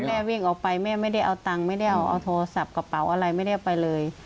แม่วิ่งออกไปแม่ไม่ได้เอาตังค์ไม่ได้เอาโทรศัพท์กระเป๋าอะไรไม่ได้ไปเลย